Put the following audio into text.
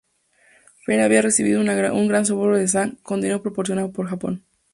Feng había recibido un gran soborno de Zhang, con dinero proporcionado por Japón.